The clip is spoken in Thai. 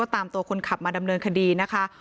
ตามตัวคนขับมาดำเนินคดีนะคะ